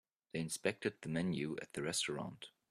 They inspected the menu at the restaurant.